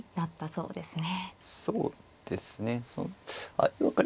そうですね。